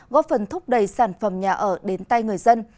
góp phần thúc đẩy sản phẩm nhà ở đến tay người dân